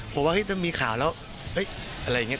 พบว่าจะมีข่าวละอะไรเงี้ย